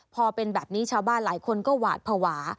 พอเป็นแบบนี้ชาวบ้านหลายคนก็หวาดภาวะ